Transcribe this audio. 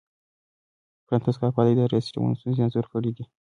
فرانتس کافکا د اداري سیسټمونو ستونزې انځور کړې دي.